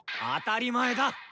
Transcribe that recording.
当たり前だ！